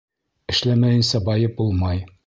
Эшләмәйенсә байып булмай.